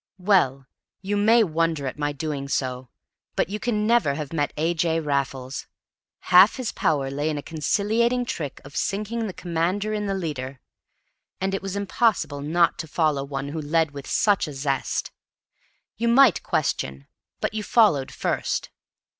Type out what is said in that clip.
Well, you may wonder at my doing so; but you can never have met A. J. Raffles. Half his power lay in a conciliating trick of sinking the commander in the leader. And it was impossible not to follow one who led with such a zest. You might question, but you followed first.